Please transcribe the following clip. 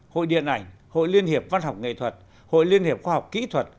hội điện ảnh hội liên hiệp văn học nghệ thuật hội liên hiệp khoa học kỹ thuật